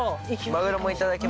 マグロもいただきます。